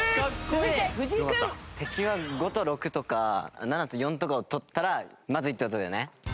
続いて藤井君。敵は５と６とか７と４とかを取ったらまずいって事だよね。